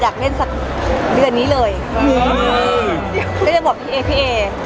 อยากได้เล่นสักเดือนบอกปี่เกมส์